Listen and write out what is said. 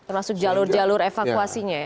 termasuk jalur jalur evakuasinya ya